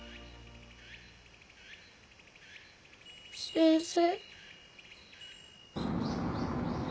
先生。